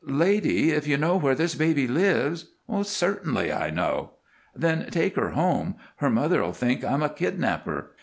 "Lady! If you know where this baby lives " "Certainly I know." "Then take her home. Her mother'll think I'm a kidnapper."